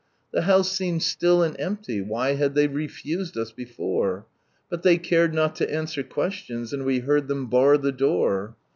The house seemed still, and empty, why had they refused us before ? Km they cared not to answer questions, and we beard ihcm bar the door.